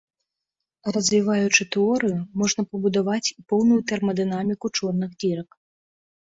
Развіваючы тэорыю, можна пабудаваць і поўную тэрмадынаміку чорных дзірак.